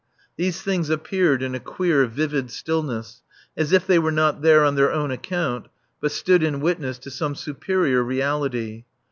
These things appeared in a queer, vivid stillness, as if they were not there on their own account, but stood in witness to some superior reality.